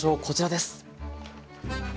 こちらです！